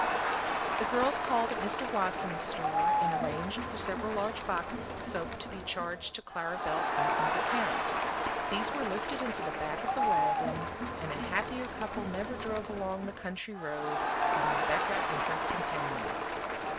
The girls called at Mr. Watson's store, and arranged for several large boxes of soap to be charged to Clara Belle Simpson's account. These were lifted into the back of the wagon, and a happier couple never drove along the country road than Rebecca and her companion.